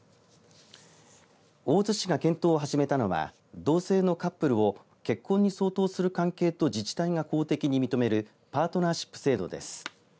大洲市が検討を始めたのは同性のカップルを結婚に相当する関係と自治体が法的に認めるパートナーシップ制度です。